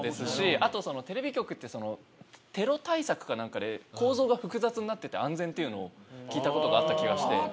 あとテレビ局ってテロ対策か何かで構造が複雑になってて安全って聞いたことがあった気がして。